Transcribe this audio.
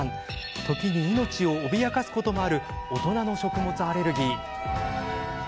時に命を脅かすこともある大人の食物アレルギー。